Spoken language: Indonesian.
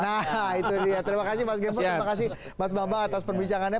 nah itu dia terima kasih mas gembong terima kasih mas bambang atas perbincangannya